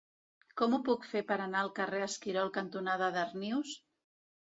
Com ho puc fer per anar al carrer Esquirol cantonada Darnius?